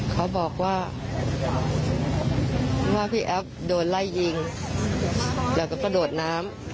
เขาบอกว่าว่าพี่แอฟโดนไล่ยิงแล้วก็กระโดดน้ำ